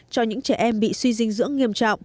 cho những trẻ em bị suy dinh dưỡng nghiêm trọng